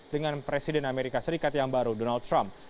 dengan presiden amerika serikat yang baru donald trump